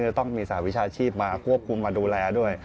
จะต้องมีสหวิชาชีพมาควบคุมมาดูแลด้วย